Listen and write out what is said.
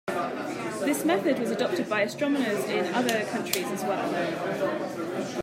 This method was adopted by astronomers in other countries as well.